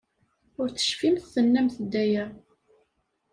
Ur tecfimt tennamt-d aya.